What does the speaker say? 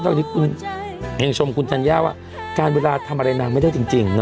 ต้องที่คุณแห่งชมคุณธัญญาว่าการเวลาทำอะไรนางไม่ได้จริงจริงเนอะ